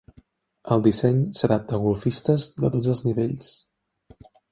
El disseny s'adapta a golfistes de tots els nivells.